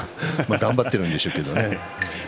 頑張ってはいるんでしょうけど。